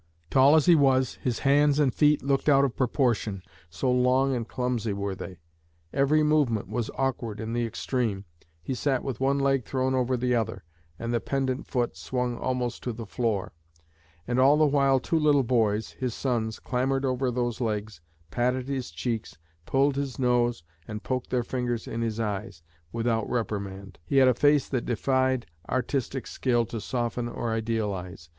Tall as he was, his hands and feet looked out of proportion, so long and clumsy were they. Every movement was awkward in the extreme. He sat with one leg thrown over the other, and the pendent foot swung almost to the floor. And all the while two little boys, his sons, clambered over those legs, patted his cheeks, pulled his nose, and poked their fingers in his eyes, without reprimand. He had a face that defied artistic skill to soften or idealize.